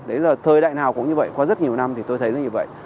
đấy là thời đại nào cũng như vậy qua rất nhiều năm thì tôi thấy là như vậy